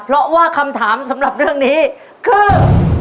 เพราะว่าคำถามสำหรับเรื่องนี้คือ